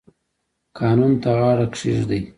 قانون ته غاړه کیږدئ